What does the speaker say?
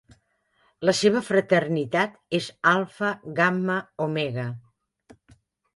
La seva fraternitat és Alfa Gamma Omega.